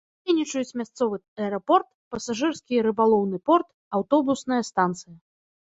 Дзейнічаюць мясцовы аэрапорт, пасажырскі і рыбалоўны порт, аўтобусная станцыя.